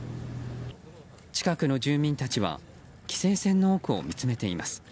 近くの住民たちは規制線の奥を見つめています。